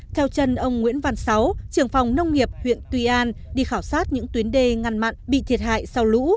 theo chân ông nguyễn văn sáu trưởng phòng nông nghiệp huyện tuy an đi khảo sát những tuyến đê ngăn mặn bị thiệt hại sau lũ